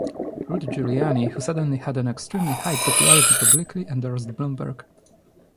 Rudy Giuliani, who suddenly had an extremely high popularity publicly endorsed Bloomberg.